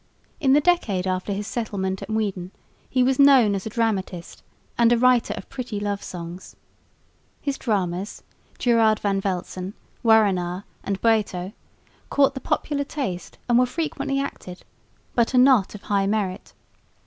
In the decade after his settlement at Muiden, he was known as a dramatist and a writer of pretty love songs. His dramas Geerard van Velzen, Warenar and Baeto caught the popular taste and were frequently acted, but are not of high merit.